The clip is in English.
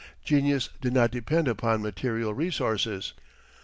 Genius did not depend upon material resources.